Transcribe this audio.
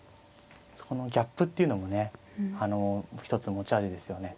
そこのギャップっていうのもね一つ持ち味ですよね。